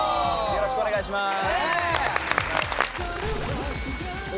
よろしくお願いします！